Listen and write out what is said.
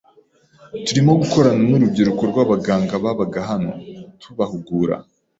turimo gukorana n’urubyiruko rw’abaganga babaga hano tubahugura,